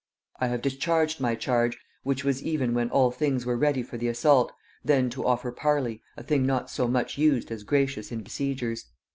I have discharged my charge, which was even when all things were ready for the assault, then to offer parley, a thing not so much used as gracious in besiegers.